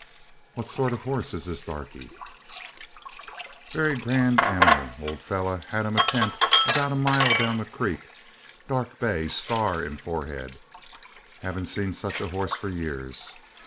'What sort of a horse is this Darkie?' 'Very grand animal. Old fellow had him in a tent, about a mile down the creek; dark bay, star in forehead. Haven't seen such a horse for years.